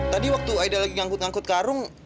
tadi waktu aida lagi ngangkut ngangkut karung